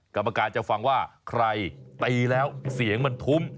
กรรมการจะฟังว่าใครตีแล้วเสียงมันทุ่ม